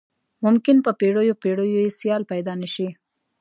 ممکن په پیړیو پیړیو یې سیال پيدا نه شي.